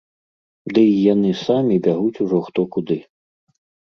Ды і яны самі бягуць ужо хто куды.